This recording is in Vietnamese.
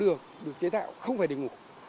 ô tô được chế tạo không phải để ngủ